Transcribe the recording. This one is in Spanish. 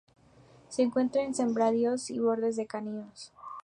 Se encuentra en sembrados y bordes de caminos.